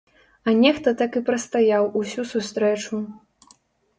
А нехта так і прастаяў усю сустрэчу.